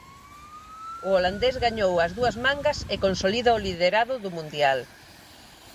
O holandés gañou as dúas mangas e consolida o liderado do Mundial.